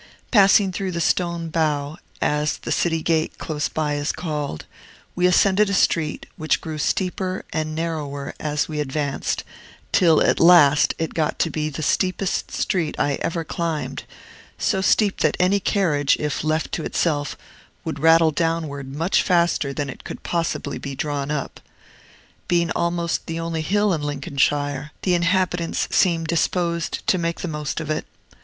Passing through the Stone Bow, as the city gate close by is called, we ascended a street which grew steeper and narrower as we advanced, till at last it got to be the steepest street I ever climbed, so steep that any carriage, if left to itself, would rattle downward much faster than it could possibly be drawn up. Being almost the only hill in Lincolnshire, the inhabitants seem disposed to make the most of it.